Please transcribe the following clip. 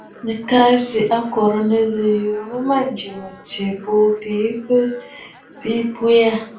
Nɨ̀ ka nzi akòrə̀ nɨzî yuu nɨ mânjì mɨ̀tsyɛ̀ bu bɨ bə̀ bɨ abɛɛ.